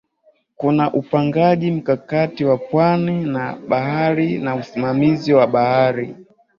Kuna upangaji mkakati wa pwani na bahari na usimamizi wa bahari